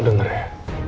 lo denger ya